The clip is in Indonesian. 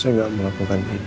saya nggak melakukan ini